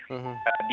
yang masih dievaluasi